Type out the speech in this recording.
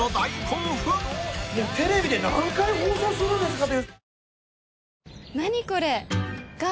テレビで何回放送するんですかっていう。